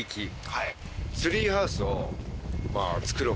はい。